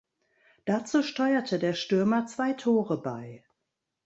Dazu steuerte der Stürmer zwei Tore bei.